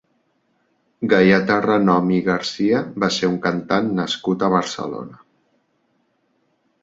Gaietà Renom i Garcia va ser un cantant nascut a Barcelona.